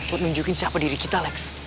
untuk nunjukin siapa diri kita alex